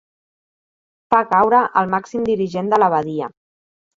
Fa caure el màxim dirigent de l'abadia.